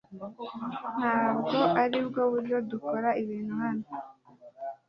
Ntabwo aribwo buryo dukora ibintu hano .